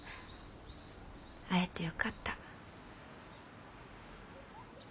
会えてよかった。